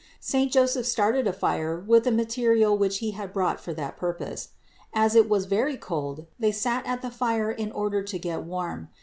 Saint Joseph started a fire with the material which he had brought for that purpose. As it was very cold, they sat at the fire in order to get warm.